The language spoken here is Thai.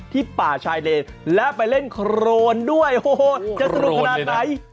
ป่าชายเลนและไปเล่นโครนด้วยโอ้โหจะสนุกขนาดไหน